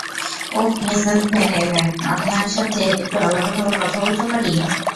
ওহ - Mrs Venn এলেন, আপনার সাথে একটু আলাদাভাবে কথা বলতে পারি?